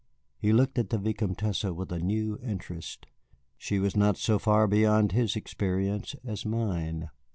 He looked at the Vicomtesse with a new interest. She was not so far beyond his experience as mine.